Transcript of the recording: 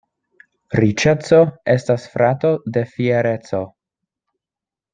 Riĉeco estas frato de fiereco.